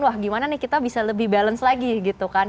wah gimana nih kita bisa lebih balance lagi gitu kan